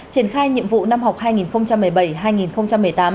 triển khai nhiệm vụ năm học hai nghìn một mươi bảy hai nghìn một mươi tám